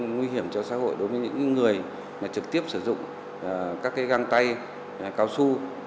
nguy hiểm cho xã hội đối với những người trực tiếp sử dụng các cái găng tay cao su